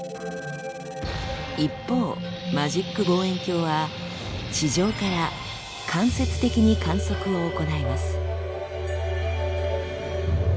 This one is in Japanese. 一方マジック望遠鏡は地上から間接的に観測を行います。